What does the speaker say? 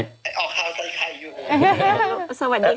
เราเคาร์ไก่อยู่